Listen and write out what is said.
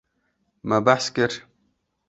Me behs kir.